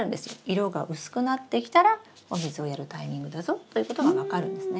色が薄くなってきたらお水をやるタイミングだぞということが分かるんですね。